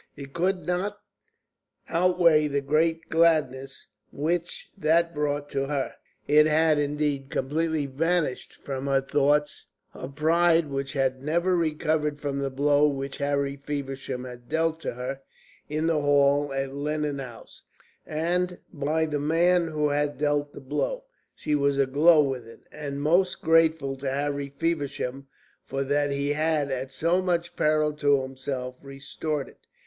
It could not outweigh the great gladness which that brought to her it had, indeed, completely vanished from her thoughts. Her pride, which had never recovered from the blow which Harry Feversham had dealt to her in the hall at Lennon House, was now quite restored, and by the man who had dealt the blow. She was aglow with it, and most grateful to Harry Feversham for that he had, at so much peril to himself, restored it.